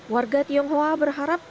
warga tionghoa berharap